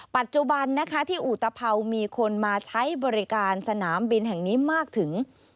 ปัจจุบันนะคะที่อุตภาวมีคนมาใช้บริการสนามบินแห่งนี้มากถึง